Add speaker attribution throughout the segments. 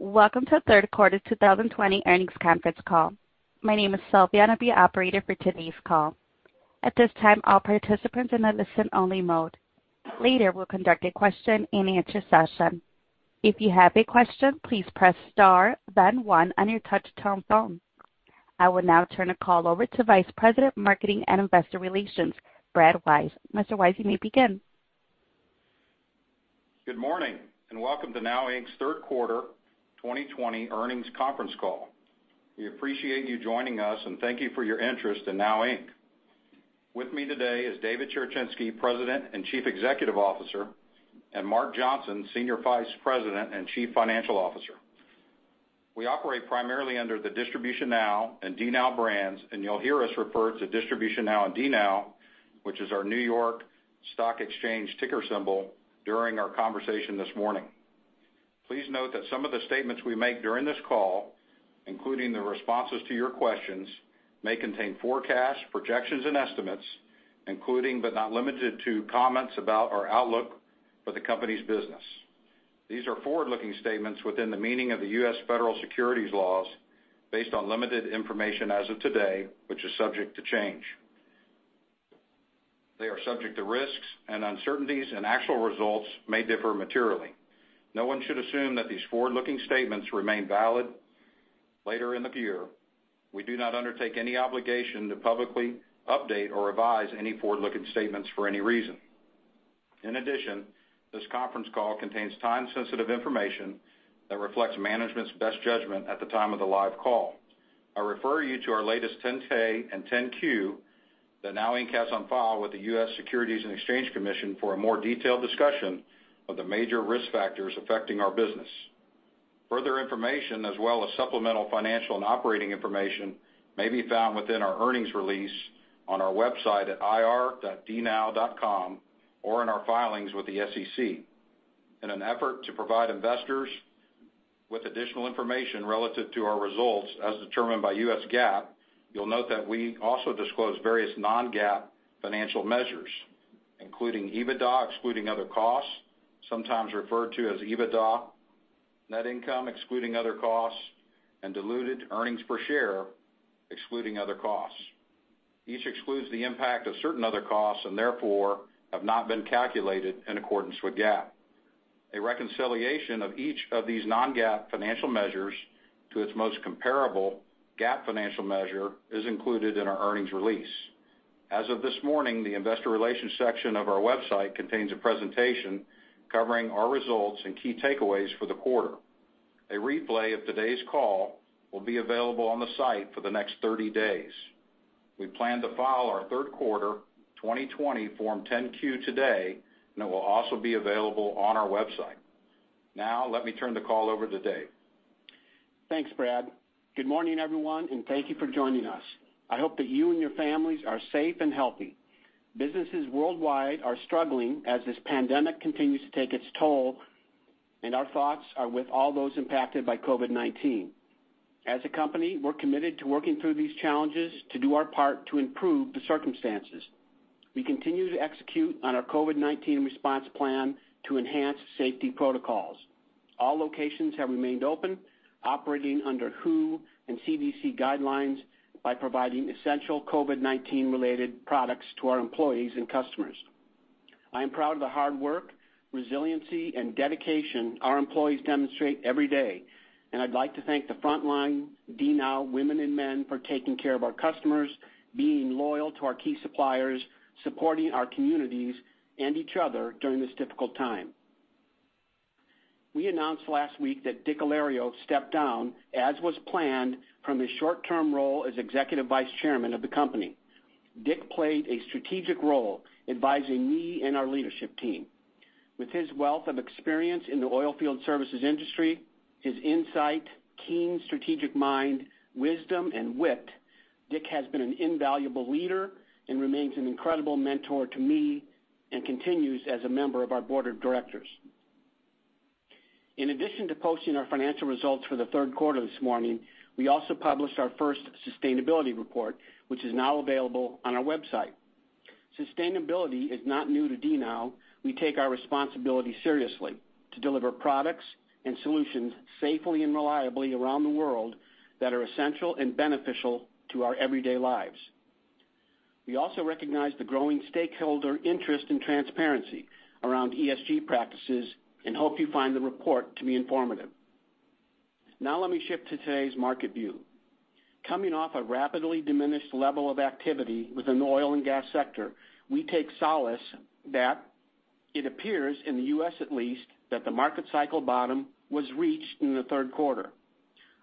Speaker 1: Welcome to the third quarter 2020 earnings conference call. My name is Sylvia, and I'll be your operator for today's call. At this time, all participants are in a listen-only mode. Later, we'll conduct a question-and-answer session. If you have a question, please press star, then one on your touch-tone phone. I will now turn the call over to Vice President of Marketing and Investor Relations, Brad Wise. Mr. Wise, you may begin.
Speaker 2: Good morning, and welcome to NOW Inc.'s Third Quarter 2020 Earnings Conference Call. We appreciate you joining us, and thank you for your interest in NOW Inc. With me today is David Cherechinsky, President and Chief Executive Officer, and Mark Johnson, Senior Vice President and Chief Financial Officer. We operate primarily under the DistributionNOW and DNOW brands, and you'll hear us refer to DistributionNOW and DNOW, which is our New York Stock Exchange ticker symbol, during our conversation this morning. Please note that some of the statements we make during this call, including the responses to your questions, may contain forecasts, projections, and estimates, including, but not limited to, comments about our outlook for the company's business. These are forward-looking statements within the meaning of the U.S. federal securities laws based on limited information as of today, which is subject to change. They are subject to risks and uncertainties, and actual results may differ materially. No one should assume that these forward-looking statements remain valid later in the year. We do not undertake any obligation to publicly update or revise any forward-looking statements for any reason. In addition, this conference call contains time-sensitive information that reflects management's best judgment at the time of the live call. I refer you to our latest 10-K and 10-Q that NOW Inc. has on file with the U.S. Securities and Exchange Commission for a more detailed discussion of the major risk factors affecting our business. Further information, as well as supplemental financial and operating information, may be found within our earnings release on our website at ir.dnow.com or in our filings with the SEC. In an effort to provide investors with additional information relative to our results as determined by US GAAP, you'll note that we also disclose various non-GAAP financial measures, including EBITDA excluding other costs, sometimes referred to as EBITDA, net income excluding other costs, and diluted earnings per share excluding other costs. Each excludes the impact of certain other costs and therefore have not been calculated in accordance with GAAP. A reconciliation of each of these non-GAAP financial measures to its most comparable GAAP financial measure is included in our earnings release. As of this morning, the investor relations section of our website contains a presentation covering our results and key takeaways for the quarter. A replay of today's call will be available on the site for the next 30 days. We plan to file our third quarter 2020 Form 10-Q today, and it will also be available on our website. Now, let me turn the call over to Dave.
Speaker 3: Thanks, Brad. Good morning, everyone, and thank you for joining us. I hope that you and your families are safe and healthy. Businesses worldwide are struggling as this pandemic continues to take its toll, and our thoughts are with all those impacted by COVID-19. As a company, we're committed to working through these challenges to do our part to improve the circumstances. We continue to execute on our COVID-19 response plan to enhance safety protocols. All locations have remained open, operating under WHO and CDC guidelines by providing essential COVID-19 related products to our employees and customers. I am proud of the hard work, resiliency, and dedication our employees demonstrate every day, and I'd like to thank the frontline DNOW women and men for taking care of our customers, being loyal to our key suppliers, supporting our communities and each other during this difficult time. We announced last week that Dick Alario stepped down, as was planned, from his short-term role as Executive Vice Chairman of the company. Dick played a strategic role advising me and our leadership team. With his wealth of experience in the oilfield services industry, his insight, keen strategic mind, wisdom, and wit, Dick has been an invaluable leader and remains an incredible mentor to me and continues as a member of our board of directors. In addition to posting our financial results for the third quarter this morning, we also published our first sustainability report, which is now available on our website. Sustainability is not new to DNOW. We take our responsibility seriously to deliver products and solutions safely and reliably around the world that are essential and beneficial to our everyday lives. We also recognize the growing stakeholder interest in transparency around ESG practices and hope you find the report to be informative. Let me shift to today's market view. Coming off a rapidly diminished level of activity within the oil and gas sector, we take solace that it appears, in the U.S. at least, that the market cycle bottom was reached in the third quarter.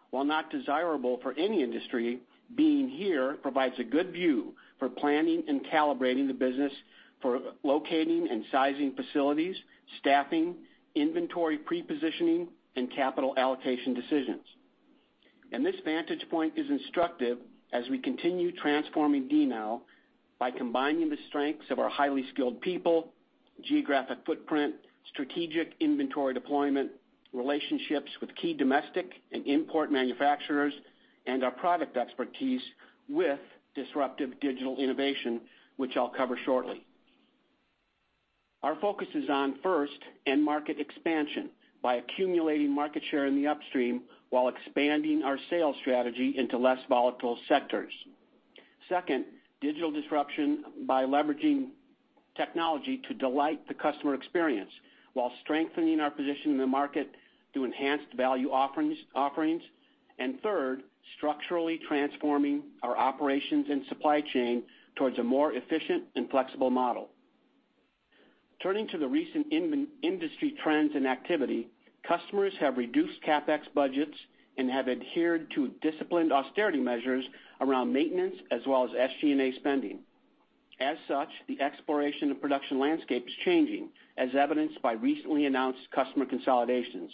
Speaker 3: While not desirable for any industry, being here provides a good view for planning and calibrating the business for locating and sizing facilities, staffing, inventory pre-positioning, and capital allocation decisions. This vantage point is instructive as we continue transforming DNOW by combining the strengths of our highly skilled people, geographic footprint, strategic inventory deployment relationships with key domestic and import manufacturers, and our product expertise with disruptive digital innovation, which I'll cover shortly. Our focus is on, first, end market expansion by accumulating market share in the upstream while expanding our sales strategy into less volatile sectors. Second, digital disruption by leveraging technology to delight the customer experience while strengthening our position in the market through enhanced value offerings. Third, structurally transforming our operations and supply chain towards a more efficient and flexible model. Turning to the recent industry trends and activity, customers have reduced CapEx budgets and have adhered to disciplined austerity measures around maintenance as well as SG&A spending. As such, the exploration and production landscape is changing, as evidenced by recently announced customer consolidations.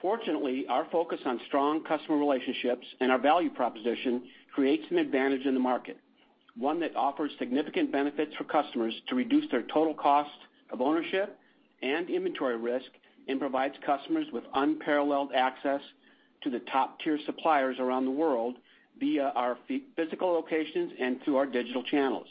Speaker 3: Fortunately, our focus on strong customer relationships and our value proposition creates an advantage in the market, one that offers significant benefits for customers to reduce their total cost of ownership and inventory risk, and provides customers with unparalleled access to the top-tier suppliers around the world via our physical locations and through our digital channels.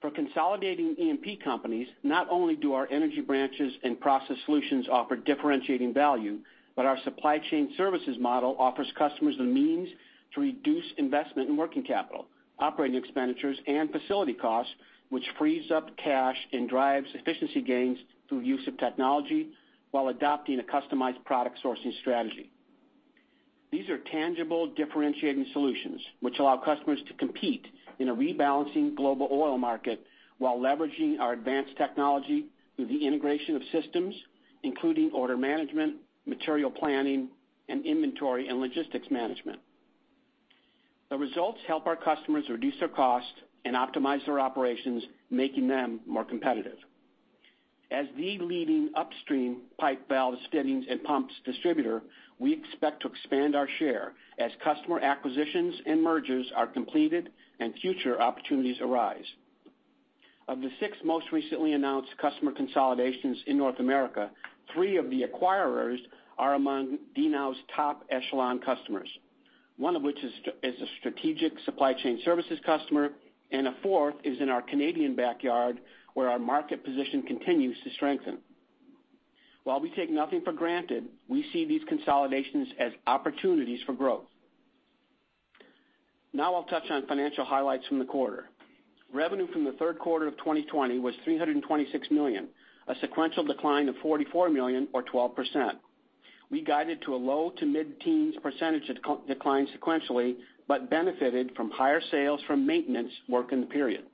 Speaker 3: For consolidating E&P companies, not only do our energy branches and process solutions offer differentiating value, but our supply chain services model offers customers the means to reduce investment in working capital, operating expenditures, and facility costs, which frees up cash and drives efficiency gains through use of technology while adopting a customized product sourcing strategy. These are tangible differentiating solutions, which allow customers to compete in a rebalancing global oil market while leveraging our advanced technology through the integration of systems, including order management, material planning, and inventory and logistics management. The results help our customers reduce their costs and optimize their operations, making them more competitive. As the leading upstream pipe valves, fittings, and pumps distributor, we expect to expand our share as customer acquisitions and mergers are completed and future opportunities arise. Of the six most recently announced customer consolidations in North America, three of the acquirers are among DNOW's top echelon customers, one of which is a strategic supply chain services customer, and a fourth is in our Canadian backyard, where our market position continues to strengthen. While we take nothing for granted, we see these consolidations as opportunities for growth. I'll touch on financial highlights from the quarter. Revenue from the third quarter of 2020 was $326 million, a sequential decline of $44 million or 12%. We guided to a low- to mid-teens percentage decline sequentially, benefited from higher sales from maintenance work in the period.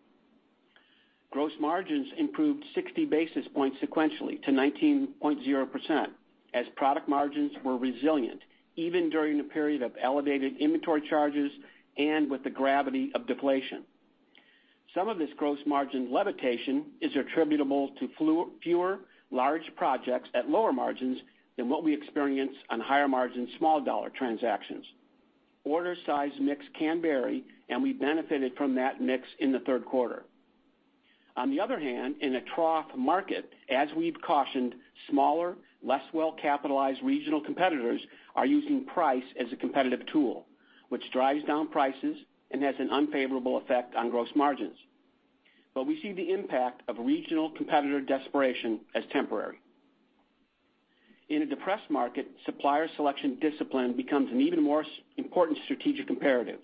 Speaker 3: Gross margins improved 60 basis points sequentially to 19.0% as product margins were resilient even during the period of elevated inventory charges and with the gravity of deflation. Some of this gross margin levitation is attributable to fewer large projects at lower margins than what we experience on higher margin small dollar transactions. Order size mix can vary, and we benefited from that mix in the third quarter. On the other hand, in a trough market, as we've cautioned, smaller, less well-capitalized regional competitors are using price as a competitive tool, which drives down prices and has an unfavorable effect on gross margins. We see the impact of regional competitor desperation as temporary. In a depressed market, supplier selection discipline becomes an even more important strategic comparative.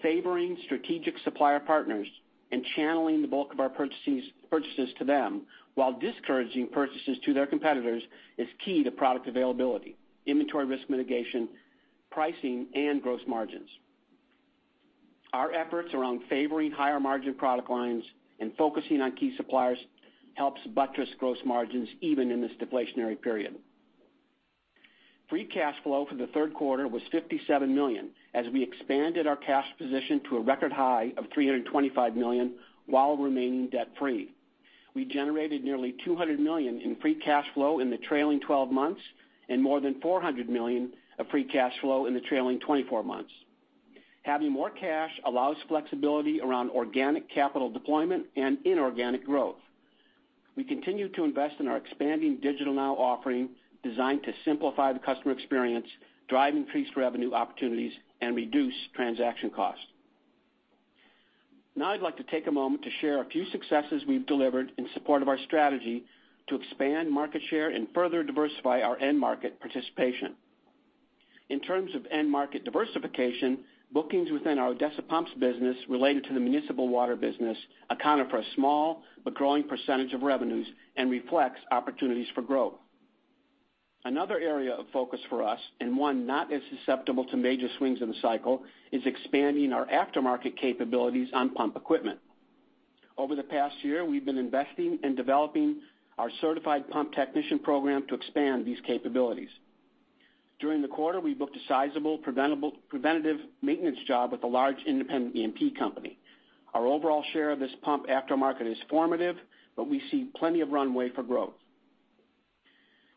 Speaker 3: Favoring strategic supplier partners and channeling the bulk of our purchases to them, while discouraging purchases to their competitors, is key to product availability, inventory risk mitigation, pricing, and gross margins. Our efforts around favoring higher margin product lines and focusing on key suppliers helps buttress gross margins even in this deflationary period. Free cash flow for the third quarter was $57 million, as we expanded our cash position to a record high of $325 million while remaining debt free. We generated nearly $200 million in free cash flow in the trailing 12 months and more than $400 million of free cash flow in the trailing 24 months. Having more cash allows flexibility around organic capital deployment and inorganic growth. We continue to invest in our expanding DigitalNOW offering, designed to simplify the customer experience, drive increased revenue opportunities, and reduce transaction costs. I'd like to take a moment to share a few successes we've delivered in support of our strategy to expand market share and further diversify our end market participation. In terms of end market diversification, bookings within our Odessa Pumps business related to the municipal water business account for a small but growing percentage of revenues and reflects opportunities for growth. Another area of focus for us, and one not as susceptible to major swings in the cycle, is expanding our aftermarket capabilities on pump equipment. Over the past year, we've been investing in developing our certified pump technician program to expand these capabilities. During the quarter, we booked a sizable preventative maintenance job with a large independent E&P company. Our overall share of this pump aftermarket is formative, we see plenty of runway for growth.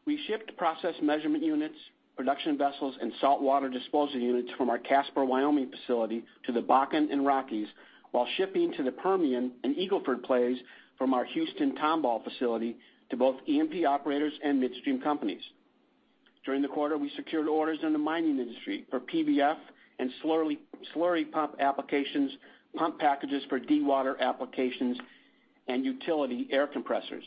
Speaker 3: We shipped process measurement units, production vessels, and saltwater disposal units from our Casper, Wyoming facility to the Bakken and Rockies while shipping to the Permian and Eagle Ford plays from our Houston Tomball facility to both E&P operators and midstream companies. During the quarter, we secured orders in the mining industry for PVF and slurry pump applications, pump packages for dewater applications, and utility air compressors.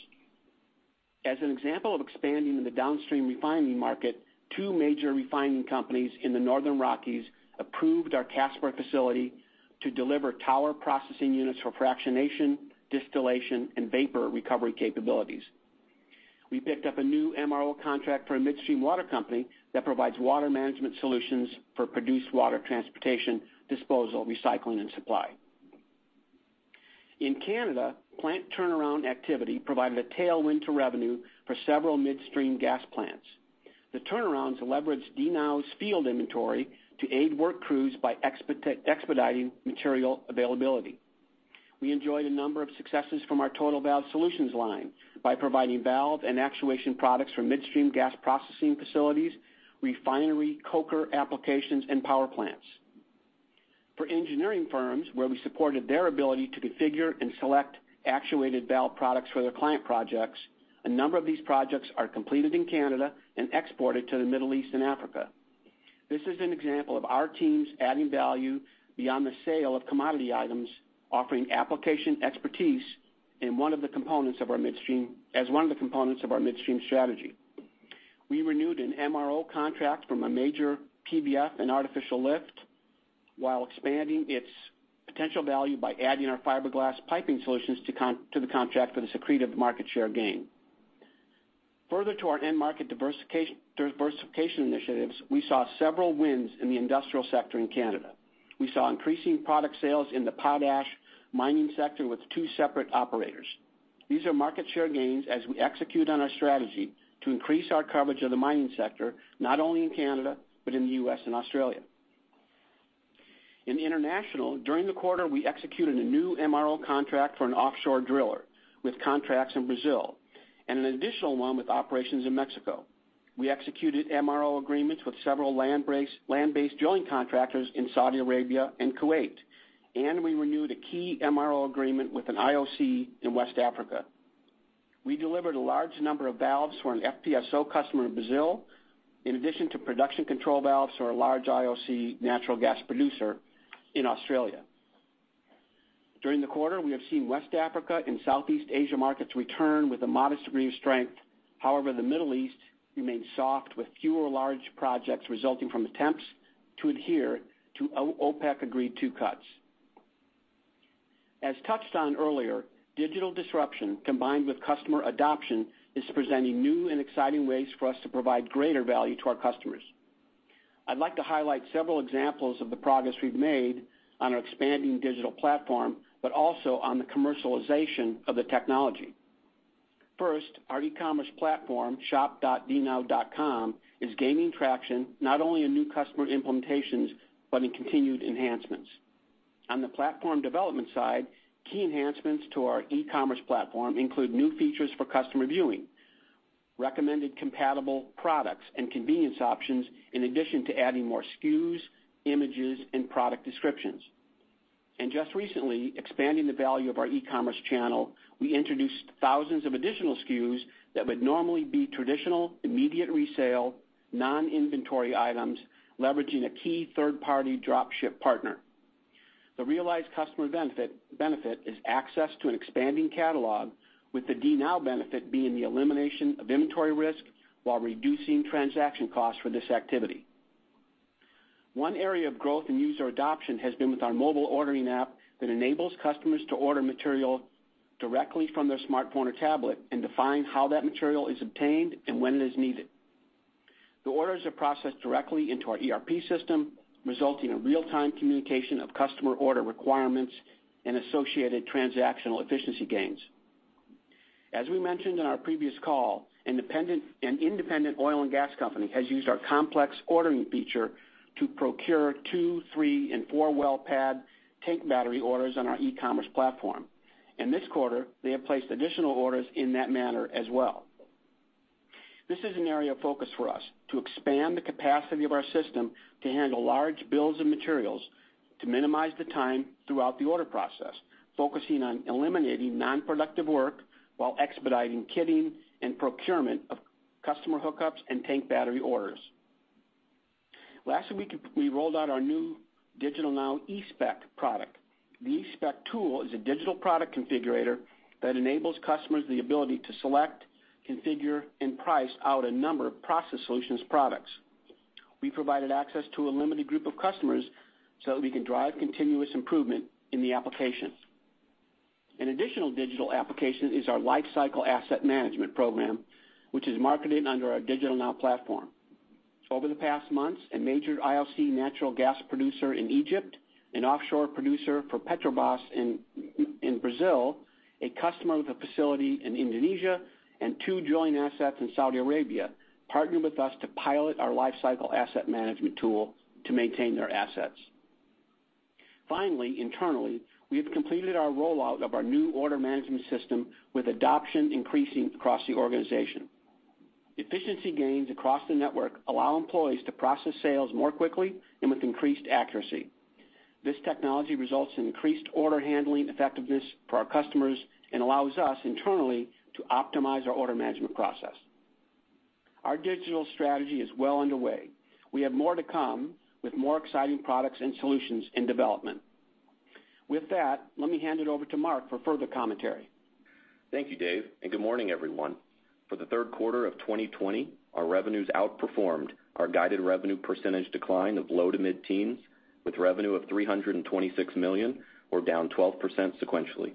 Speaker 3: As an example of expanding in the downstream refining market, two major refining companies in the Northern Rockies approved our Casper facility to deliver tower processing units for fractionation, distillation, and vapor recovery capabilities. We picked up a new MRO contract for a midstream water company that provides water management solutions for produced water transportation, disposal, recycling, and supply. In Canada, plant turnaround activity provided a tailwind to revenue for several midstream gas plants. The turnarounds leveraged DNOW's field inventory to aid work crews by expediting material availability. We enjoyed a number of successes from our Total Valve Solutions line by providing valve and actuation products for midstream gas processing facilities, refinery coker applications, and power plants. For engineering firms, where we supported their ability to configure and select actuated valve products for their client projects, a number of these projects are completed in Canada and exported to the Middle East and Africa. This is an example of our teams adding value beyond the sale of commodity items, offering application expertise as one of the components of our midstream strategy. We renewed an MRO contract from a major PVF and artificial lift while expanding its potential value by adding our fiberglass piping solutions to the contract for this accretive market share gain. Further to our end market diversification initiatives, we saw several wins in the industrial sector in Canada. We saw increasing product sales in the potash mining sector with two separate operators. These are market share gains as we execute on our strategy to increase our coverage of the mining sector, not only in Canada, but in the U.S. and Australia. In the international, during the quarter, we executed a new MRO contract for an offshore driller with contracts in Brazil, and an additional one with operations in Mexico. We executed MRO agreements with several land-based joint contractors in Saudi Arabia and Kuwait, and we renewed a key MRO agreement with an IOC in West Africa. We delivered a large number of valves for an FPSO customer in Brazil, in addition to production control valves for a large IOC natural gas producer in Australia. During the quarter, we have seen West Africa and Southeast Asia markets return with a modest degree of strength. However, the Middle East remains soft, with fewer large projects resulting from attempts to adhere to OPEC agreed-to cuts. As touched on earlier, digital disruption combined with customer adoption is presenting new and exciting ways for us to provide greater value to our customers. I'd like to highlight several examples of the progress we've made on our expanding digital platform, but also on the commercialization of the technology. First, our e-commerce platform, shop.dnow.com, is gaining traction not only in new customer implementations, but in continued enhancements. On the platform development side, key enhancements to our e-commerce platform include new features for customer viewing, recommended compatible products, and convenience options, in addition to adding more SKUs, images, and product descriptions. Just recently, expanding the value of our e-commerce channel, we introduced thousands of additional SKUs that would normally be traditional, immediate resale, non-inventory items, leveraging a key third-party drop ship partner. The realized customer benefit is access to an expanding catalog with the DNOW benefit being the elimination of inventory risk while reducing transaction costs for this activity. One area of growth in user adoption has been with our mobile ordering app that enables customers to order material directly from their smartphone or tablet and define how that material is obtained and when it is needed. The orders are processed directly into our ERP system, resulting in real-time communication of customer order requirements and associated transactional efficiency gains. As we mentioned in our previous call, an independent oil and gas company has used our complex ordering feature to procure two, three, and four-well pad tank battery orders on our e-commerce platform. In this quarter, they have placed additional orders in that manner as well. This is an area of focus for us to expand the capacity of our system to handle large bills of materials to minimize the time throughout the order process, focusing on eliminating non-productive work while expediting kitting and procurement of customer hookups and tank battery orders. Last week, we rolled out our new DigitalNOW eSpec product. The eSpec tool is a digital product configurator that enables customers the ability to select, configure, and price out a number of process solutions products. We provided access to a limited group of customers so that we can drive continuous improvement in the applications. An additional digital application is our lifecycle asset management program, which is marketed under our DigitalNOW platform. Over the past months, a major IOC natural gas producer in Egypt, an offshore producer for Petrobras in Brazil, a customer with a facility in Indonesia, and two joint assets in Saudi Arabia partnered with us to pilot our lifecycle asset management tool to maintain their assets. Finally, internally, we have completed our rollout of our new order management system with adoption increasing across the organization. Efficiency gains across the network allow employees to process sales more quickly and with increased accuracy. This technology results in increased order handling effectiveness for our customers and allows us internally to optimize our order management process. Our digital strategy is well underway. We have more to come with more exciting products and solutions in development. With that, let me hand it over to Mark for further commentary.
Speaker 4: Thank you, Dave, and good morning, everyone. For the third quarter of 2020, our revenues outperformed our guided revenue percentage decline of low to mid-teens, with revenue of $326 million, or down 12% sequentially.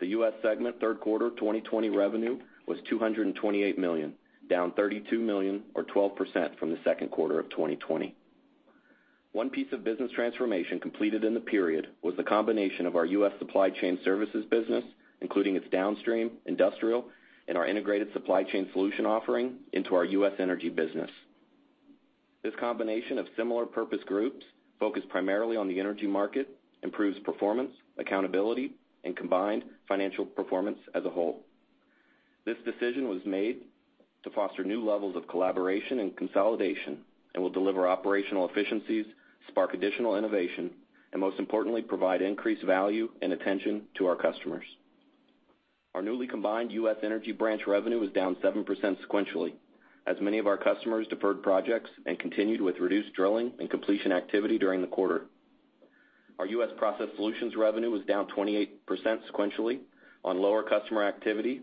Speaker 4: The U.S. segment third quarter 2020 revenue was $228 million, down $32 million or 12% from the second quarter of 2020. One piece of business transformation completed in the period was the combination of our U.S. supply chain services business, including its downstream industrial and our integrated supply chain solution offering into our U.S. energy business. This combination of similar purpose groups focused primarily on the energy market, improves performance, accountability, and combined financial performance as a whole. This decision was made to foster new levels of collaboration and consolidation and will deliver operational efficiencies, spark additional innovation, and most importantly, provide increased value and attention to our customers. Our newly combined U.S. Energy Branch revenue was down 7% sequentially. As many of our customers deferred projects and continued with reduced drilling and completion activity during the quarter. Our U.S. Process Solutions revenue was down 28% sequentially on lower customer activity.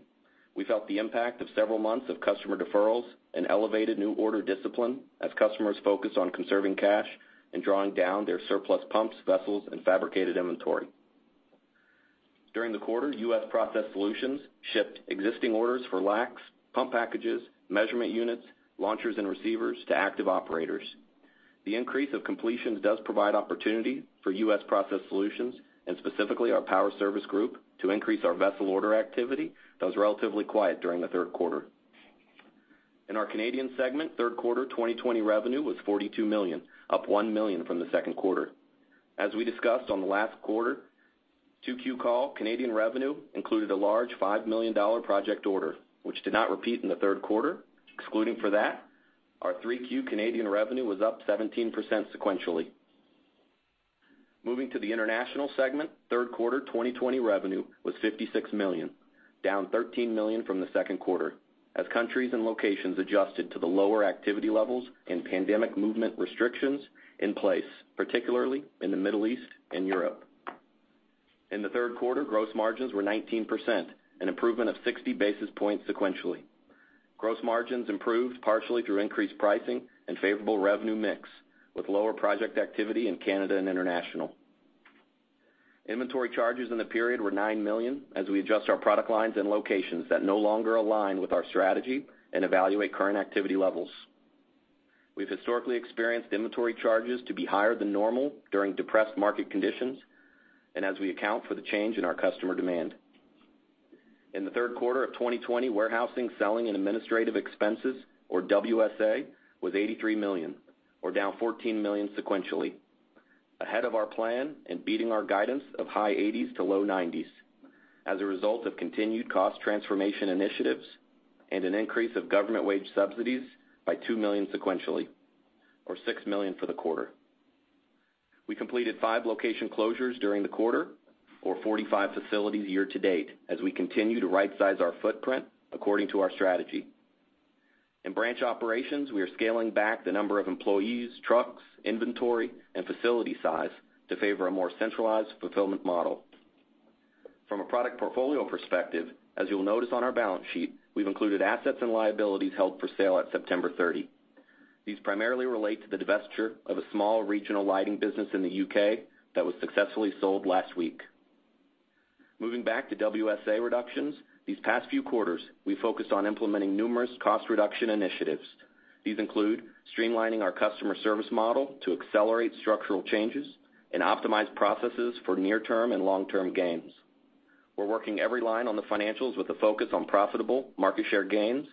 Speaker 4: We felt the impact of several months of customer deferrals and elevated new order discipline as customers focus on conserving cash and drawing down their surplus pumps, vessels, and fabricated inventory. During the quarter, U.S. Process Solutions shipped existing orders for LACT, pump packages, measurement units, launchers, and receivers to active operators. The increase of completions does provide opportunity for U.S. Process Solutions and specifically our Power Service Group to increase our vessel order activity that was relatively quiet during the third quarter. In our Canadian segment, third quarter 2020 revenue was $42 million, up $1 million from the second quarter. As we discussed on the last 2Q call, Canadian revenue included a large $5 million project order, which did not repeat in the third quarter. Excluding for that, our 3Q Canadian revenue was up 17% sequentially. Moving to the international segment, third quarter 2020 revenue was $56 million, down $13 million from the second quarter, as countries and locations adjusted to the lower activity levels and pandemic movement restrictions in place, particularly in the Middle East and Europe. In the third quarter, gross margins were 19%, an improvement of 60 basis points sequentially. Gross margins improved partially through increased pricing and favorable revenue mix, with lower project activity in Canada and international. Inventory charges in the period were $9 million as we adjust our product lines and locations that no longer align with our strategy and evaluate current activity levels. We've historically experienced inventory charges to be higher than normal during depressed market conditions and as we account for the change in our customer demand. In the third quarter of 2020, warehousing, selling, and administrative expenses, or WSA, was $83 million, or down $14 million sequentially. Ahead of our plan and beating our guidance of high $80 million to low $90 million. As a result of continued cost transformation initiatives and an increase of government wage subsidies by $2 million sequentially or $6 million for the quarter. We completed five location closures during the quarter or 45 facilities year-to-date as we continue to right-size our footprint according to our strategy. In branch operations, we are scaling back the number of employees, trucks, inventory, and facility size to favor a more centralized fulfillment model. From a product portfolio perspective, as you'll notice on our balance sheet, we've included assets and liabilities held for sale at September 30. These primarily relate to the divestiture of a small regional lighting business in the U.K. that was successfully sold last week. Moving back to WSA reductions, these past few quarters, we focused on implementing numerous cost reduction initiatives. These include streamlining our customer service model to accelerate structural changes and optimize processes for near-term and long-term gains. We're working every line on the financials with a focus on profitable market share gains,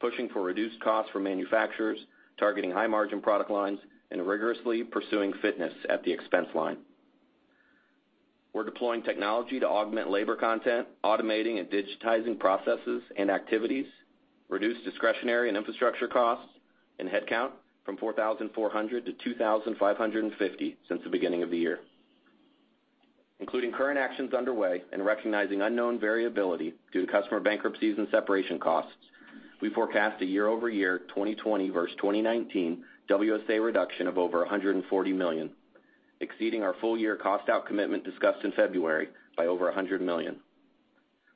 Speaker 4: pushing for reduced costs for manufacturers, targeting high margin product lines, and rigorously pursuing fitness at the expense line. We're deploying technology to augment labor content, automating and digitizing processes and activities, reduce discretionary and infrastructure costs, and headcount from 4,400 to 2,550 since the beginning of the year. Including current actions underway and recognizing unknown variability due to customer bankruptcies and separation costs, we forecast a year-over-year 2020 verse 2019 WSA reduction of over $140 million, exceeding our full year cost out commitment discussed in February by over $100 million.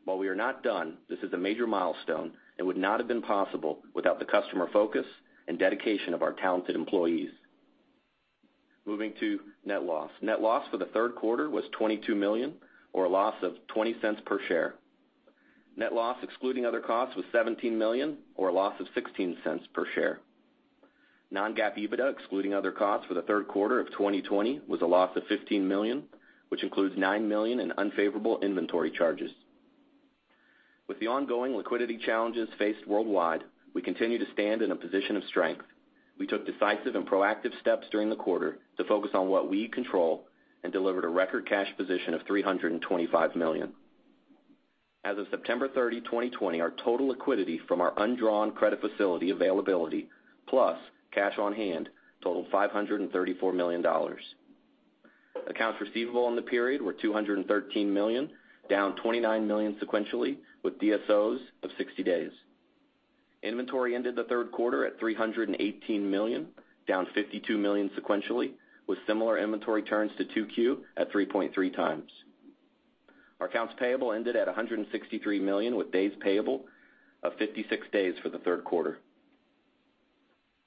Speaker 4: While we are not done, this is a major milestone and would not have been possible without the customer focus and dedication of our talented employees. Moving to net loss. Net loss for the third quarter was $22 million or a loss of $0.20 per share. Net loss excluding other costs was $17 million or a loss of $0.16 per share. Non-GAAP EBITDA excluding other costs for the third quarter of 2020 was a loss of $15 million, which includes $9 million in unfavorable inventory charges. With the ongoing liquidity challenges faced worldwide, we continue to stand in a position of strength. We took decisive and proactive steps during the quarter to focus on what we control and delivered a record cash position of $325 million. As of September 30, 2020, our total liquidity from our undrawn credit facility availability plus cash on hand totaled $534 million. Accounts receivable in the period were $213 million, down $29 million sequentially, with DSOs of 60 days. Inventory ended the third quarter at $318 million, down $52 million sequentially, with similar inventory turns to 2Q at 3.3x. Our accounts payable ended at $163 million, with days payable of 56 days for the third quarter.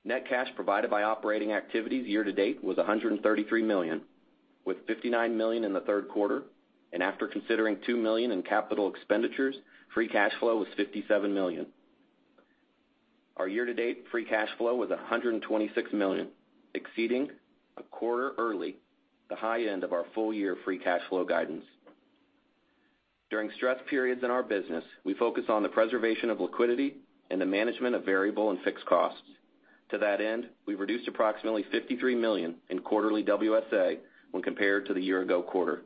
Speaker 4: Net cash provided by operating activities year-to-date was $133 million, with $59 million in the third quarter. After considering $2 million in capital expenditures, free cash flow was $57 million. Our year-to-date free cash flow was $126 million, exceeding a quarter early the high end of our full-year free cash flow guidance. During stress periods in our business, we focus on the preservation of liquidity and the management of variable and fixed costs. To that end, we've reduced approximately $53 million in quarterly WSA when compared to the year ago quarter.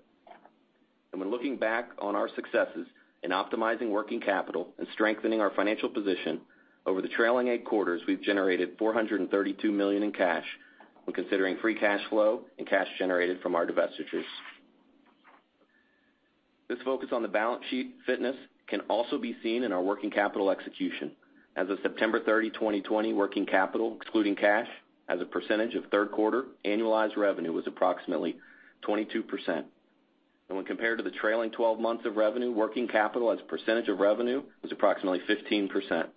Speaker 4: When looking back on our successes in optimizing working capital and strengthening our financial position over the trailing eight quarters, we've generated $432 million in cash when considering free cash flow and cash generated from our divestitures. This focus on the balance sheet fitness can also be seen in our working capital execution. As of September 30, 2020, working capital, excluding cash as a percentage of third quarter annualized revenue, was approximately 22%. When compared to the trailing 12 months of revenue, working capital as a percentage of revenue was approximately 15%.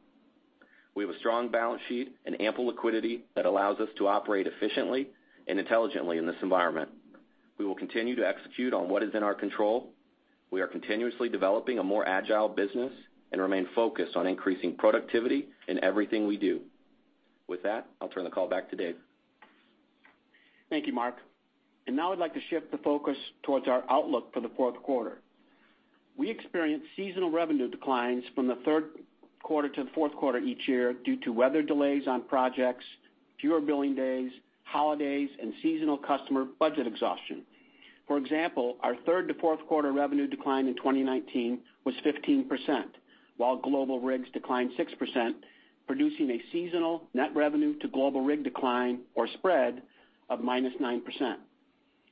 Speaker 4: We have a strong balance sheet and ample liquidity that allows us to operate efficiently and intelligently in this environment. We will continue to execute on what is in our control. We are continuously developing a more agile business and remain focused on increasing productivity in everything we do. With that, I'll turn the call back to Dave.
Speaker 3: Thank you, Mark. Now I'd like to shift the focus towards our outlook for the fourth quarter. We experience seasonal revenue declines from the third quarter to the fourth quarter each year due to weather delays on projects, fewer billing days, holidays, and seasonal customer budget exhaustion. For example, our third to fourth quarter revenue decline in 2019 was 15%, while global rigs declined 6%, producing a seasonal net revenue to global rig decline or spread of -9%.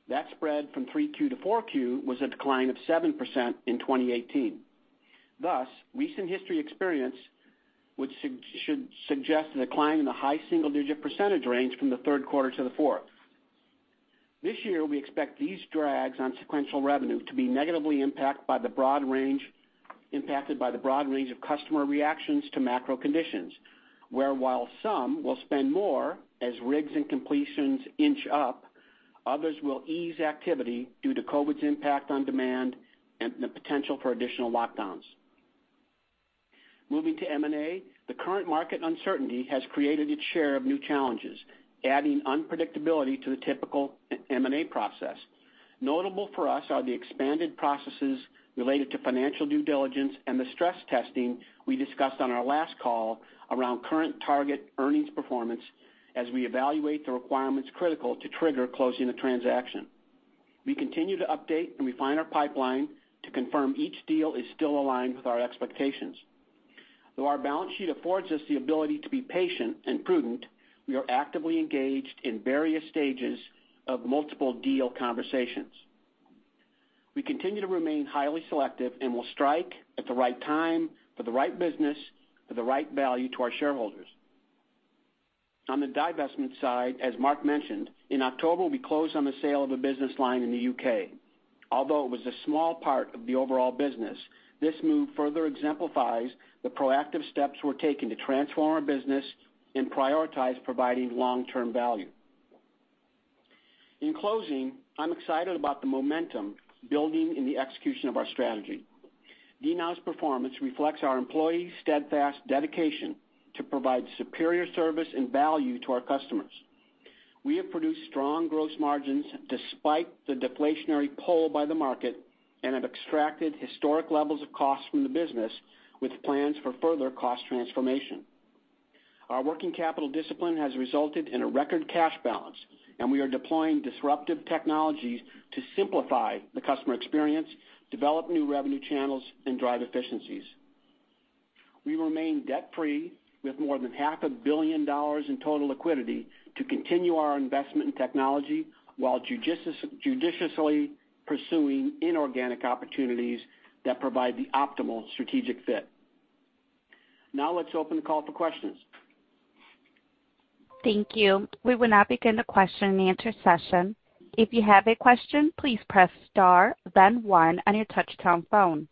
Speaker 3: That spread from 3Q to 4Q was a decline of 7% in 2018. Thus, recent history experience should suggest a decline in the high single-digit percentage range from the third quarter to the four. This year, we expect these drags on sequential revenue to be negatively impacted by the broad range of customer reactions to macro conditions, where while some will spend more as rigs and completions inch up, others will ease activity due to COVID's impact on demand and the potential for additional lockdowns. Moving to M&A, the current market uncertainty has created its share of new challenges, adding unpredictability to the typical M&A process. Notable for us are the expanded processes related to financial due diligence and the stress testing we discussed on our last call around current target earnings performance as we evaluate the requirements critical to trigger closing the transaction. We continue to update and refine our pipeline to confirm each deal is still aligned with our expectations. Though our balance sheet affords us the ability to be patient and prudent, we are actively engaged in various stages of multiple deal conversations. We continue to remain highly selective and will strike at the right time for the right business for the right value to our shareholders. On the divestment side, as Mark mentioned, in October, we closed on the sale of a business line in the U.K. Although it was a small part of the overall business, this move further exemplifies the proactive steps we're taking to transform our business and prioritize providing long-term value. In closing, I'm excited about the momentum building in the execution of our strategy. DNOW's performance reflects our employees' steadfast dedication to provide superior service and value to our customers. We have produced strong gross margins despite the deflationary pull by the market and have extracted historic levels of cost from the business with plans for further cost transformation. Our working capital discipline has resulted in a record cash balance, and we are deploying disruptive technologies to simplify the customer experience, develop new revenue channels, and drive efficiencies. We remain debt-free with more than $500 million in total liquidity to continue our investment in technology while judiciously pursuing inorganic opportunities that provide the optimal strategic fit. Let's open the call for questions.
Speaker 1: Thank you. We will now begin the question-and-answer session. If you have a question, please press star then one on your touch tone phone.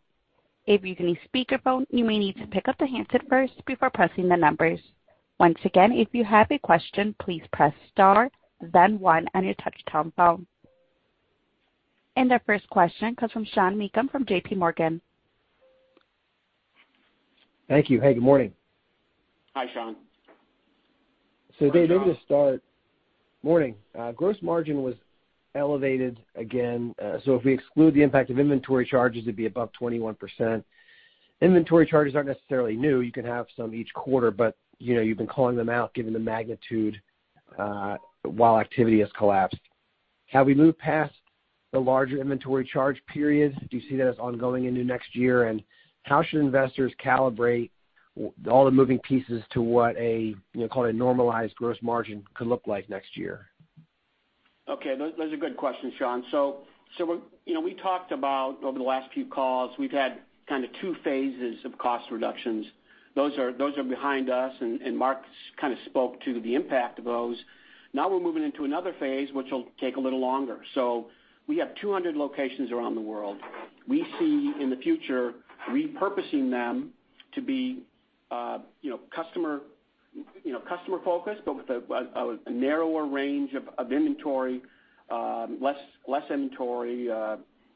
Speaker 1: If you can be in a speakerphone, you may need to pickup the headset first before pressing the numbers. Once again, if you have a question, please press star then one on your touch tone phone. Our first question comes from Sean Meakim from JPMorgan.
Speaker 5: Thank you. Hey, good morning.
Speaker 3: Hi, Sean.
Speaker 5: Dave, maybe to start. Morning. Gross margin was elevated again. If we exclude the impact of inventory charges, it'd be above 21%. Inventory charges aren't necessarily new. You can have some each quarter, but you've been calling them out given the magnitude while activity has collapsed. Have we moved past the larger inventory charge periods? Do you see that as ongoing into next year? How should investors calibrate all the moving pieces to what call it a normalized gross margin could look like next year?
Speaker 3: Okay, that's a good question, Sean. We talked about over the last few calls, we've had kind of two phases of cost reductions. Those are behind us, and Mark kind of spoke to the impact of those. Now we're moving into another phase, which will take a little longer. We have 200 locations around the world. We see in the future, repurposing them to be customer-focused, but with a narrower range of inventory, less inventory,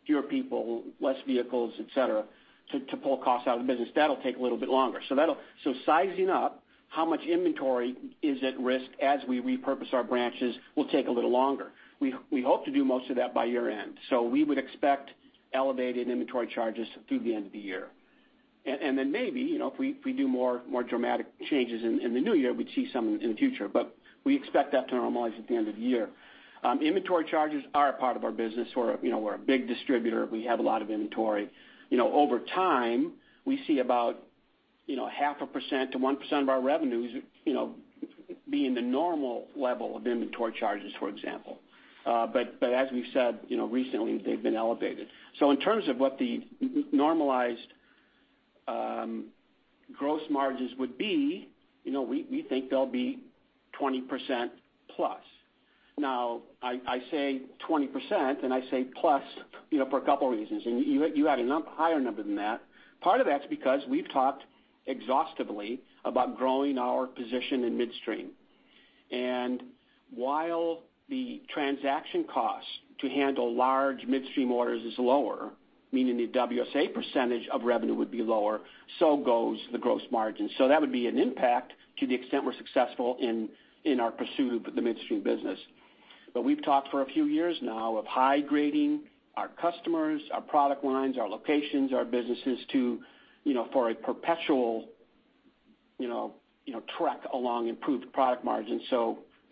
Speaker 3: fewer people, less vehicles, et cetera, to pull costs out of the business. That'll take a little bit longer. Sizing up how much inventory is at risk as we repurpose our branches will take a little longer. We hope to do most of that by year-end. We would expect elevated inventory charges through the end of the year. Maybe, if we do more dramatic changes in the new year, we'd see some in the future. We expect that to normalize at the end of the year. Inventory charges are a part of our business. We're a big distributor. We have a lot of inventory. Over time, we see about half a percent to 1% of our revenues being the normal level of inventory charges, for example. As we've said, recently they've been elevated. In terms of what the normalized gross margins would be, we think they'll be 20%+. Now, I say 20%, and I say plus for a couple of reasons. You had a higher number than that. Part of that's because we've talked exhaustively about growing our position in midstream. While the transaction cost to handle large midstream orders is lower, meaning the WSA percentage of revenue would be lower, so goes the gross margin. That would be an impact to the extent we're successful in our pursuit of the midstream business. We've talked for a few years now of high-grading our customers, our product lines, our locations, our businesses for a perpetual track along improved product margins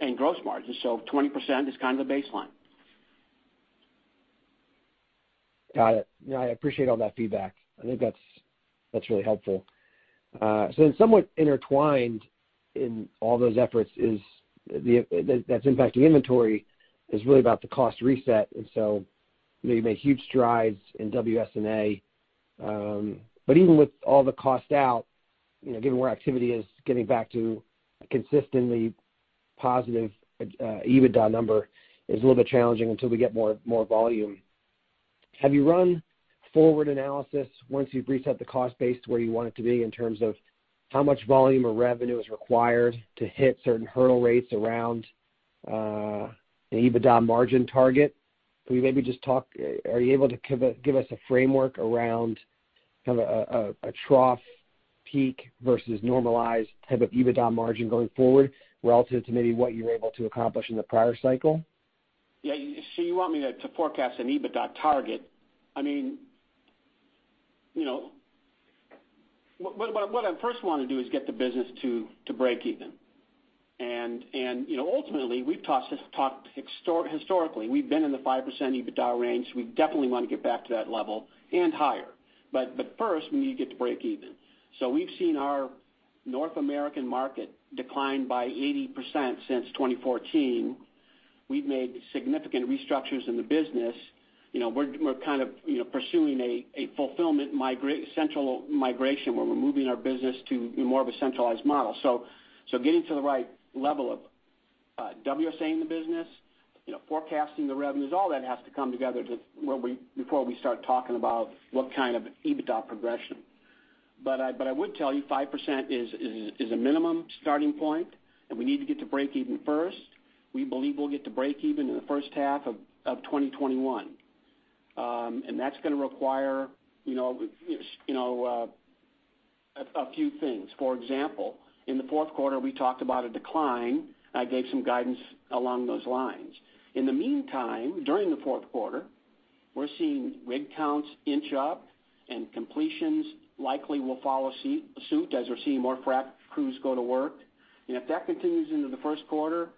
Speaker 3: and gross margins. 20% is kind of the baseline.
Speaker 5: Got it. No, I appreciate all that feedback. I think that's really helpful. Somewhat intertwined in all those efforts that's impacting inventory is really about the cost reset, and so you've made huge strides in WSA. Even with all the cost out, given where activity is getting back to a consistently positive EBITDA number is a little bit challenging until we get more volume. Have you run forward analysis once you've reset the cost base to where you want it to be in terms of how much volume or revenue is required to hit certain hurdle rates around an EBITDA margin target? Can we maybe just talk, are you able to give us a framework around kind of a trough peak versus normalized type of EBITDA margin going forward relative to maybe what you were able to accomplish in the prior cycle?
Speaker 3: Yeah. You want me to forecast an EBITDA target. What I first want to do is get the business to break even. Ultimately, we've historically, we've been in the 5% EBITDA range. We definitely want to get back to that level and higher. First, we need to get to break even. We've seen our North American market decline by 80% since 2014. We've made significant restructures in the business. We're kind of pursuing a fulfillment central migration where we're moving our business to more of a centralized model. Getting to the right level of WSA in the business, forecasting the revenues, all that has to come together before we start talking about what kind of EBITDA progression. I would tell you 5% is a minimum starting point, and we need to get to break even first. We believe we'll get to break even in the first half of 2021. That's going to require a few things. For example, in the fourth quarter, we talked about a decline. I gave some guidance along those lines. In the meantime, during the fourth quarter, we're seeing rig counts inch up and completions likely will follow suit as we're seeing more frac crews go to work. If that continues into the first quarter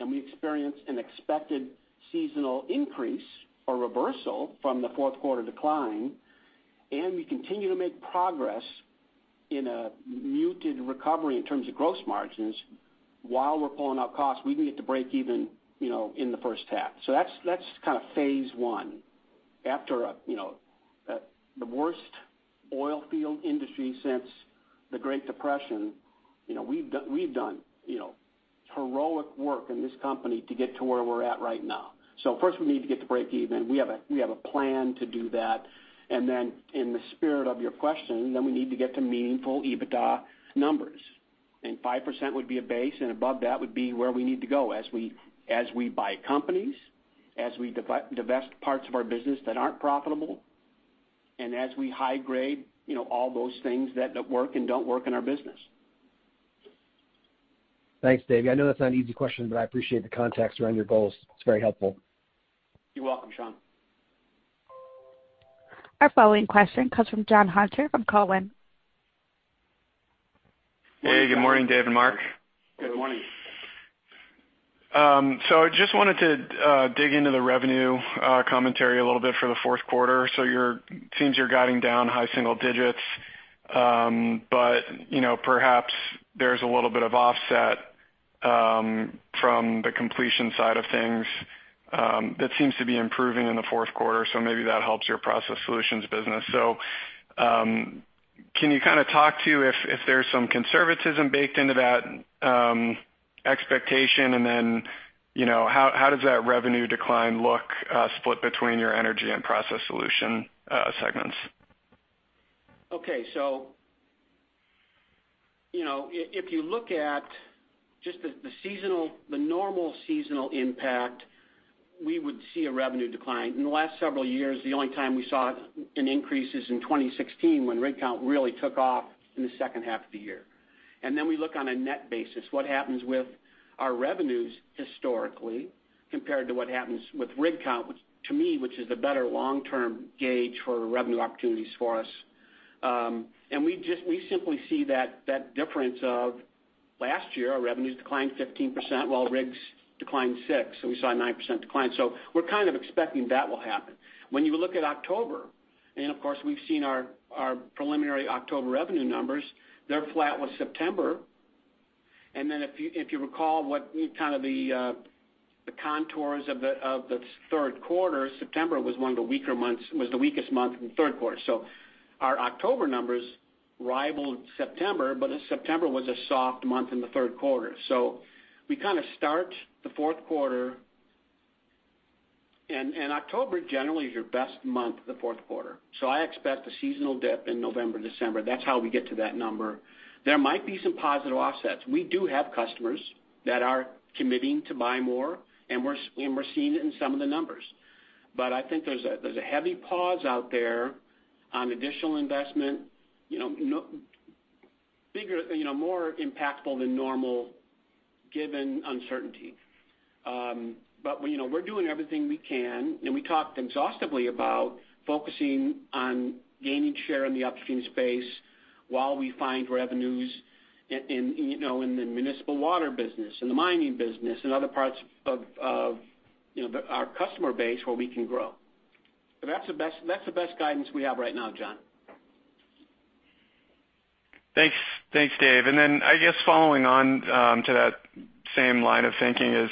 Speaker 3: and we experience an expected seasonal increase or reversal from the fourth quarter decline, and we continue to make progress in a muted recovery in terms of gross margins while we're pulling out costs, we can get to break even in the first half. That's kind of phase I. After the worst oil field industry since the Great Depression, we've done heroic work in this company to get to where we're at right now. First we need to get to break even. We have a plan to do that. Then in the spirit of your question, then we need to get to meaningful EBITDA numbers. 5% would be a base, and above that would be where we need to go as we buy companies, as we divest parts of our business that aren't profitable, and as we high grade all those things that work and don't work in our business.
Speaker 5: Thanks, Dave. I know that's not an easy question, but I appreciate the context around your goals. It's very helpful.
Speaker 3: You're welcome, Sean.
Speaker 1: Our following question comes from Jon Hunter from Cowen.
Speaker 6: Hey, good morning, Dave and Mark.
Speaker 3: Good morning.
Speaker 6: I just wanted to dig into the revenue commentary a little bit for the fourth quarter. It seems you're guiding down high single digits. Perhaps there's a little bit of offset from the completion side of things that seems to be improving in the fourth quarter, so maybe that helps your Process Solutions business. Can you talk to if there's some conservatism baked into that expectation? How does that revenue decline look split between your Energy and Process Solutions segments?
Speaker 3: Okay. If you look at just the normal seasonal impact, we would see a revenue decline. In the last several years, the only time we saw an increase is in 2016 when rig count really took off in the second half of the year. We look on a net basis, what happens with our revenues historically compared to what happens with rig count, to me, which is the better long-term gauge for revenue opportunities for us. We simply see that difference of last year, our revenues declined 15%, while rigs declined 6%, so we saw a 9% decline. We're kind of expecting that will happen. When you look at October, and of course, we've seen our preliminary October revenue numbers, they're flat with September. If you recall what the contours of the third quarter, September was the weakest month in the third quarter. Our October numbers rivaled September, but September was a soft month in the third quarter. We start the fourth quarter and October generally is your best month of the fourth quarter. I expect a seasonal dip in November, December. That's how we get to that number. There might be some positive offsets. We do have customers that are committing to buy more, and we're seeing it in some of the numbers. I think there's a heavy pause out there on additional investment, more impactful than normal given uncertainty. We're doing everything we can, and we talked exhaustively about focusing on gaining share in the upstream space while we find revenues in the municipal water business and the mining business and other parts of our customer base where we can grow. That's the best guidance we have right now, Jon.
Speaker 6: Thanks, Dave. I guess following on to that same line of thinking is,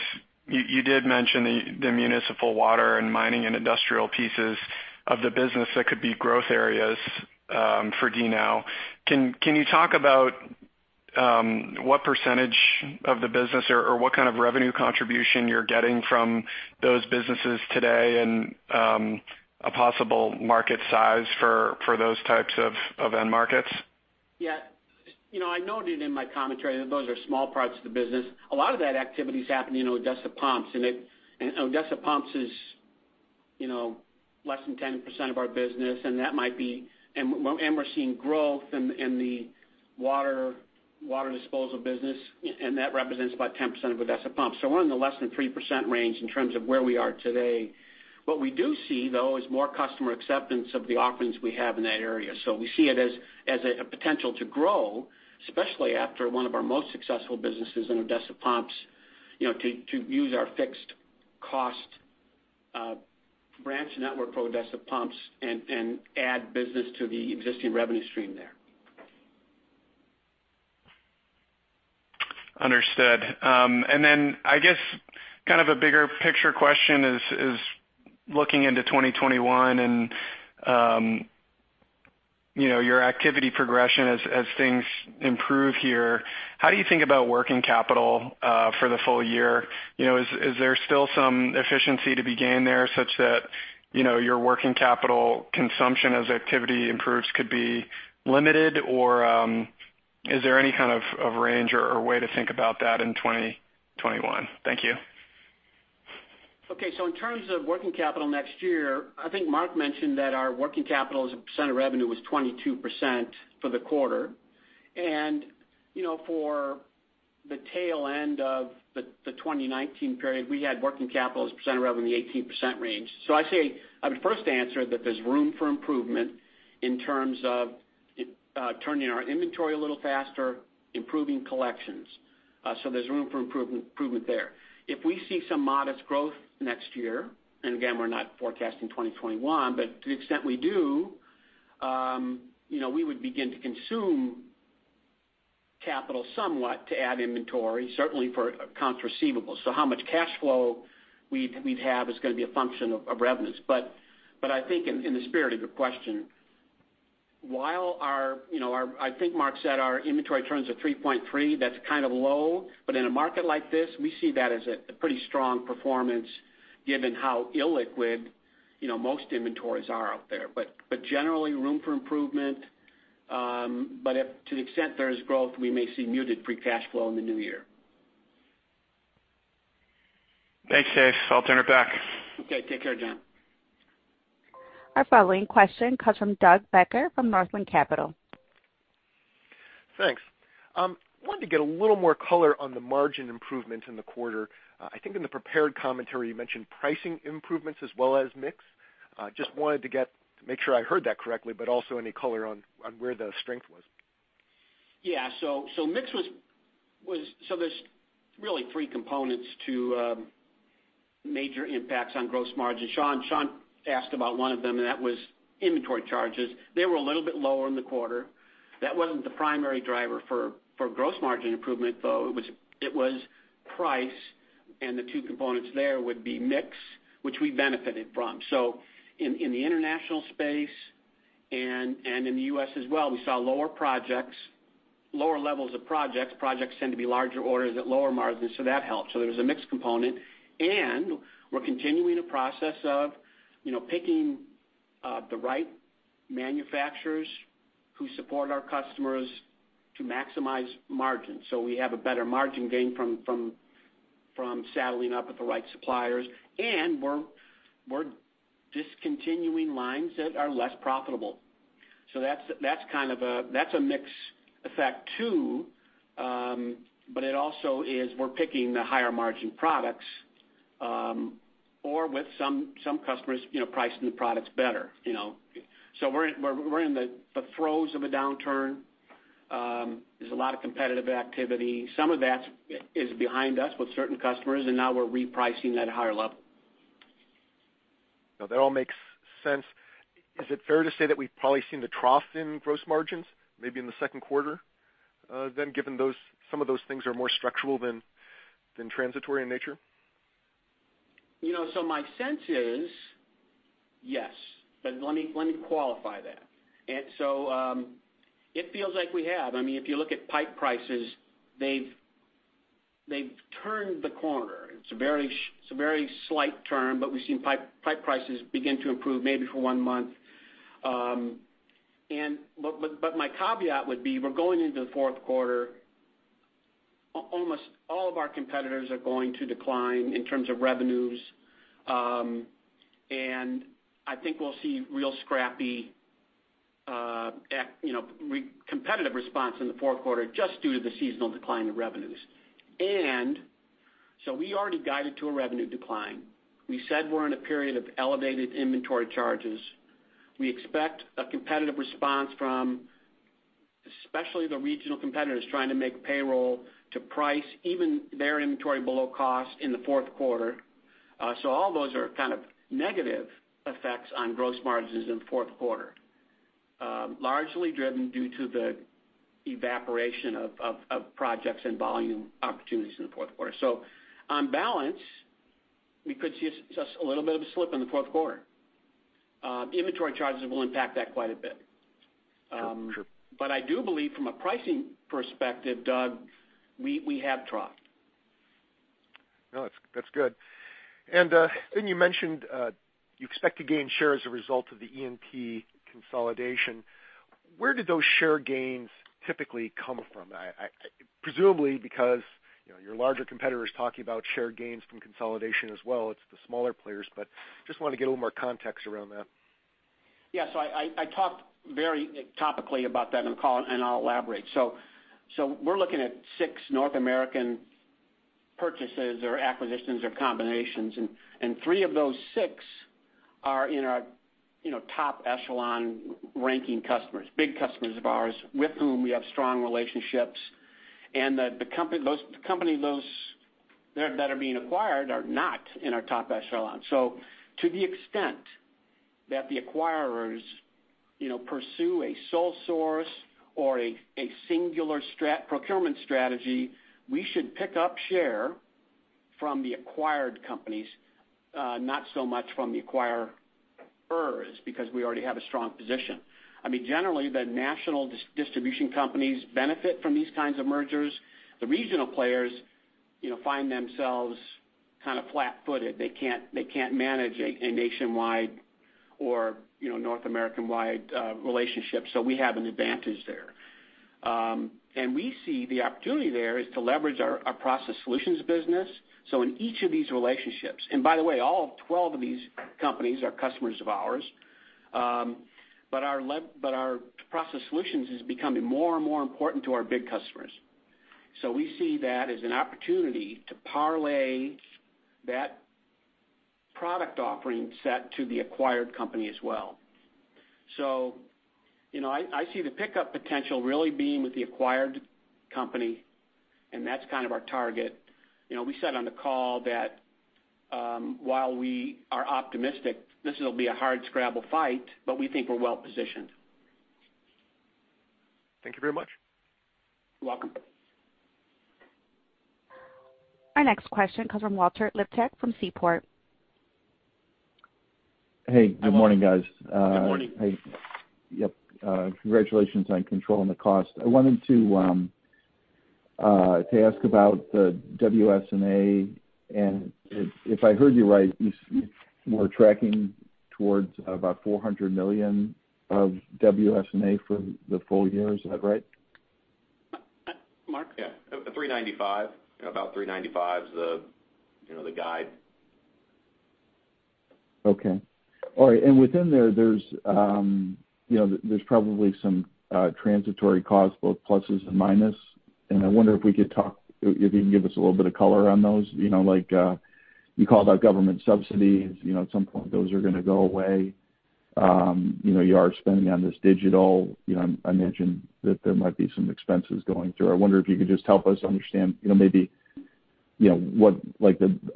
Speaker 6: you did mention the municipal water and mining and industrial pieces of the business that could be growth areas for DNOW. Can you talk about what percentage of the business or what kind of revenue contribution you're getting from those businesses today and a possible market size for those types of end markets?
Speaker 3: Yeah. I noted in my commentary that those are small parts of the business. A lot of that activity is happening in Odessa Pumps, and Odessa Pumps is less than 10% of our business, and we're seeing growth in the water disposal business, and that represents about 10% of Odessa Pumps. We're in the less than 3% range in terms of where we are today. What we do see, though, is more customer acceptance of the offerings we have in that area. We see it as a potential to grow, especially after one of our most successful businesses in Odessa Pumps, to use our fixed cost branch network for Odessa Pumps and add business to the existing revenue stream there.
Speaker 6: Understood. I guess a bigger picture question is looking into 2021 and your activity progression as things improve here. How do you think about working capital for the full year? Is there still some efficiency to be gained there such that your working capital consumption as activity improves could be limited, or is there any kind of range or way to think about that in 2021? Thank you.
Speaker 3: In terms of working capital next year, I think Mark mentioned that our working capital as a percent of revenue was 22% for the quarter. For the tail end of the 2019 period, we had working capital as a percent of revenue in the 18% range. I would first answer that there's room for improvement in terms of turning our inventory a little faster, improving collections. There's room for improvement there. If we see some modest growth next year, and again, we're not forecasting 2021, but to the extent we do, we would begin to consume capital somewhat to add inventory, certainly for accounts receivable. How much cash flow we'd have is going to be a function of revenues. I think in the spirit of your question, I think Mark said our inventory turns at 3.3x. That's kind of low. In a market like this, we see that as a pretty strong performance given how illiquid most inventories are out there. Generally, there is room for improvement. To the extent there is growth, we may see muted free cash flow in the new year.
Speaker 6: Thanks, Dave. I'll turn it back.
Speaker 3: Okay. Take care, Jon.
Speaker 1: Our following question comes from Doug Becker from Northland Capital.
Speaker 7: Thanks. Wanted to get a little more color on the margin improvement in the quarter. I think in the prepared commentary, you mentioned pricing improvements as well as mix. Just wanted to make sure I heard that correctly, but also any color on where the strength was.
Speaker 3: Yeah. There's really three components to major impacts on gross margin. Sean asked about one of them, and that was inventory charges. They were a little bit lower in the quarter. That wasn't the primary driver for gross margin improvement, though. It was price, and the two components there would be mix, which we benefited from. In the international space and in the U.S. as well, we saw lower levels of projects. Projects tend to be larger orders at lower margins, that helped. There was a mix component. We're continuing the process of picking the right manufacturers who support our customers to maximize margins. We have a better margin gain from saddling up with the right suppliers. We're discontinuing lines that are less profitable. That's a mix effect, too, but it also is we're picking the higher margin products, or with some customers, pricing the products better. We're in the throes of a downturn. There's a lot of competitive activity. Some of that is behind us with certain customers, and now we're repricing at a higher level.
Speaker 7: That all makes sense. Is it fair to say that we've probably seen the trough in gross margins, maybe in the second quarter then, given some of those things are more structural than transitory in nature?
Speaker 3: My sense is, yes. Let me qualify that. It feels like we have. If you look at pipe prices, they've turned the corner. It's a very slight turn, but we've seen pipe prices begin to improve maybe for one month. My caveat would be, we're going into the fourth quarter, almost all of our competitors are going to decline in terms of revenues. I think we'll see real scrappy competitive response in the fourth quarter just due to the seasonal decline in revenues. We already guided to a revenue decline. We said we're in a period of elevated inventory charges. We expect a competitive response from especially the regional competitors trying to make payroll to price even their inventory below cost in the fourth quarter. All those are kind of negative effects on gross margins in the fourth quarter, largely driven due to the evaporation of projects and volume opportunities in the fourth quarter. On balance, we could see just a little bit of a slip in the fourth quarter. Inventory charges will impact that quite a bit.
Speaker 7: Sure.
Speaker 3: I do believe from a pricing perspective, Doug, we have troughed.
Speaker 7: No, that's good. You mentioned you expect to gain share as a result of the E&P consolidation. Where did those share gains typically come from? Presumably because your larger competitor is talking about share gains from consolidation as well, it's the smaller players, I just want to get a little more context around that.
Speaker 3: Yeah. I talked very topically about that on the call, and I'll elaborate. We're looking at six North American purchases or acquisitions or combinations, and three of those six are in our top echelon ranking customers, big customers of ours with whom we have strong relationships. The company that are being acquired are not in our top echelon. To the extent that the acquirers pursue a sole source or a singular procurement strategy, we should pick up share from the acquired companies, not so much from the acquirers because we already have a strong position. Generally, the national distribution companies benefit from these kinds of mergers. The regional players find themselves kind of flat-footed. They can't manage a nationwide or North American-wide relationship, so we have an advantage there. We see the opportunity there is to leverage our process solutions business. In each of these relationships, and by the way, all 12 of these companies are customers of ours. Our process solutions is becoming more and more important to our big customers. We see that as an opportunity to parlay that product offering set to the acquired company as well. I see the pickup potential really being with the acquired company, and that's kind of our target. We said on the call that while we are optimistic, this will be a hardscrabble fight, but we think we're well-positioned.
Speaker 7: Thank you very much.
Speaker 3: You're welcome.
Speaker 1: Our next question comes from Walter Liptak from Seaport.
Speaker 8: Hey, good morning, guys.
Speaker 3: Good morning.
Speaker 8: Yep. Congratulations on controlling the cost. I wanted to ask about the WSA, and if I heard you right, you were tracking towards about $400 million of WSA for the full year. Is that right?
Speaker 3: Mark?
Speaker 4: Yeah. $395 million. About $395 million is the guide.
Speaker 8: Okay. All right. Within there's probably some transitory costs, both pluses and minuses. I wonder if you can give us a little bit of color on those. You called out government subsidies. At some point, those are going to go away. You are spending on this digital. I mentioned that there might be some expenses going through. I wonder if you could just help us understand maybe what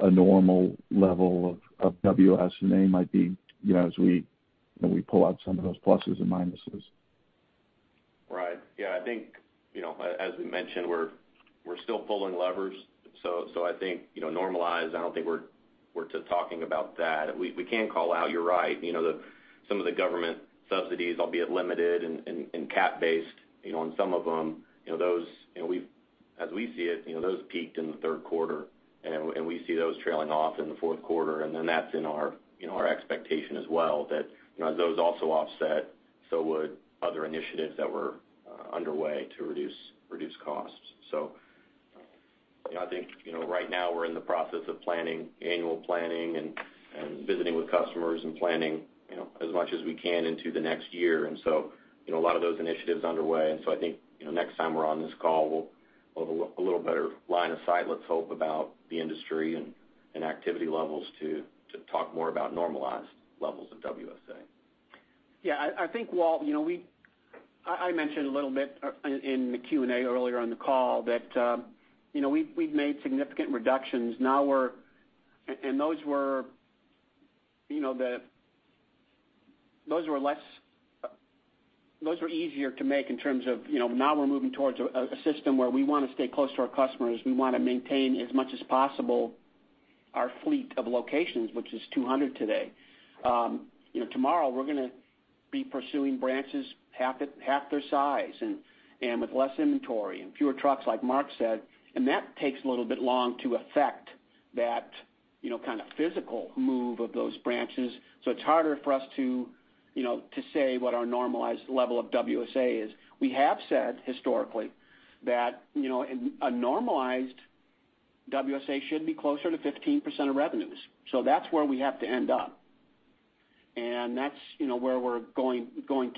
Speaker 8: a normal level of WSA might be as we pull out some of those pluses and minuses.
Speaker 4: Right. Yeah, I think, as we mentioned, we're still pulling levers. I think normalized, I don't think we're talking about that. We can call out, you're right, some of the government subsidies, albeit limited and cap-based on some of them. As we see it, those peaked in the third quarter, and we see those trailing off in the fourth quarter, and then that's in our expectation as well that as those also offset, so would other initiatives that were underway to reduce costs. I think right now we're in the process of annual planning and visiting with customers and planning as much as we can into the next year. A lot of those initiatives underway. I think next time we're on this call, we'll have a little better line of sight, let's hope, about the industry and activity levels to talk more about normalized levels of WSA.
Speaker 3: Yeah, I think, Walt, I mentioned a little bit in the Q&A earlier on the call that we've made significant reductions. Those were easier to make in terms of now we're moving towards a system where we want to stay close to our customers. We want to maintain as much as possible our fleet of locations, which is 200 today. Tomorrow, we're going to be pursuing branches half their size and with less inventory and fewer trucks, like Mark said. That takes a little bit long to affect that kind of physical move of those branches. It's harder for us to say what our normalized level of WSA is. We have said historically that a normalized WSA should be closer to 15% of revenues, that's where we have to end up, and that's where we're going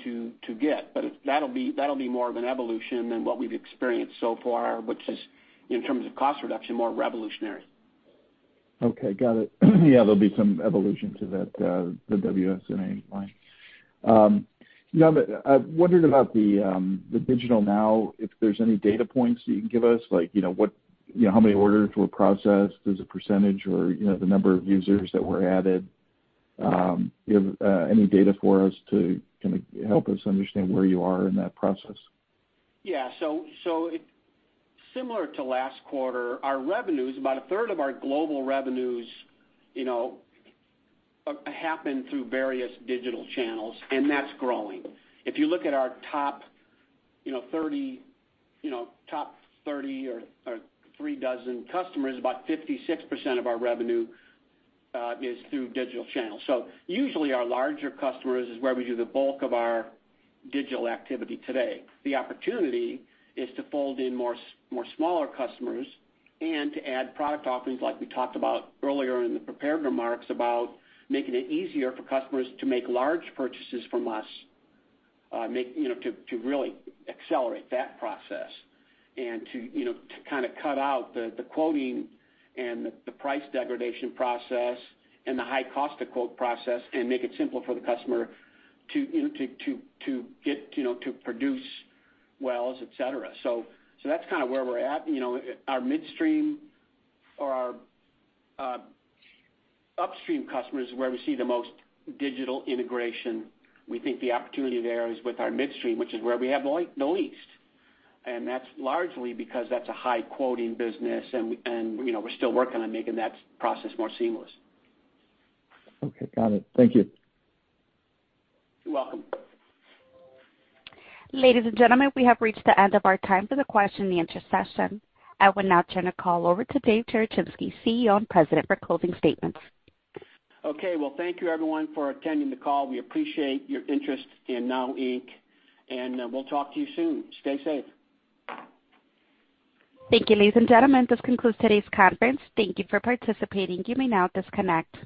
Speaker 3: to get. That'll be more of an evolution than what we've experienced so far, which is, in terms of cost reduction, more revolutionary.
Speaker 8: Okay, got it. Yeah, there'll be some evolution to that, the WSA line. I wondered about the DigitalNOW, if there's any data points that you can give us, like how many orders were processed as a percentage or the number of users that were added. Do you have any data for us to kind of help us understand where you are in that process?
Speaker 3: Yeah. Similar to last quarter, about a third of our global revenues happen through various digital channels, and that's growing. If you look at our top 30 or three dozen customers, about 56% of our revenue is through digital channels. Usually our larger customers is where we do the bulk of our digital activity today. The opportunity is to fold in more smaller customers and to add product offerings like we talked about earlier in the prepared remarks about making it easier for customers to make large purchases from us, to really accelerate that process and to kind of cut out the quoting and the price degradation process and the high cost of quote process and make it simpler for the customer to produce wells, et cetera. That's kind of where we're at. Our midstream or our upstream customers is where we see the most digital integration. We think the opportunity there is with our midstream, which is where we have the least, and that's largely because that's a high quoting business, and we're still working on making that process more seamless.
Speaker 8: Okay, got it. Thank you.
Speaker 3: You're welcome.
Speaker 1: Ladies and gentlemen, we have reached the end of our time for the question-and-answer session. I will now turn the call over to Dave Cherechinsky, CEO and President, for closing statements.
Speaker 3: Okay. Well, thank you everyone for attending the call. We appreciate your interest in NOW Inc, and we'll talk to you soon. Stay safe.
Speaker 1: Thank you, ladies and gentlemen. This concludes today's conference. Thank you for participating. You may now disconnect.